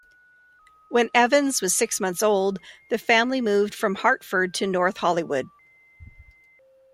When Evans was six months old, the family moved from Hartford to North Hollywood.